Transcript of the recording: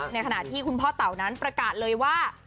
ในขณะที่คุณพ่อเต่านั้นประกาศเลยว่า